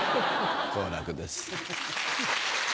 好楽です。